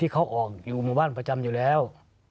เค้าออกมาบ้านประจำอยู่แล้ว